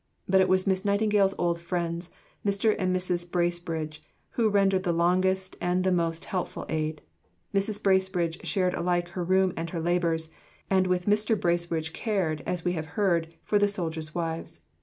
But it was Miss Nightingale's old friends, Mr. and Mrs. Bracebridge, who rendered the longest and the most helpful aid. Mrs. Bracebridge shared alike her room and her labours, and with Mr. Bracebridge cared, as we have heard, for the soldiers' wives.